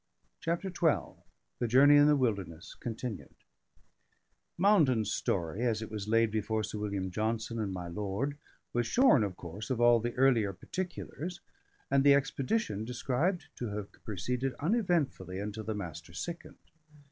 CHAPTER XII THE JOURNEY IN THE WILDERNESS (continued) Mountain's story, as it was laid before Sir William Johnson and my lord, was shorn, of course, of all the earlier particulars, and the expedition described to have proceeded uneventfully, until the Master sickened.